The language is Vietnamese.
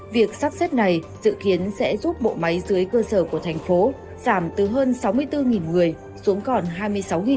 việc sắp xếp này dự kiến sẽ giúp bộ máy dưới cơ sở của thành phố giảm từ hơn sáu mươi bốn người xuống còn hai mươi sáu người